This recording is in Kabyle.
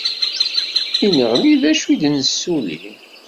Mi neɣli d acu i d-nsuli.